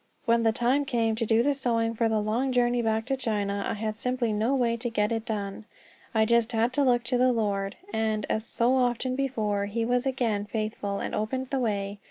When the time came to do the sewing for the long journey back to China, I had simply no way to get it done. I just had to look to the Lord; and, as so often before, he was again faithful, and opened the way.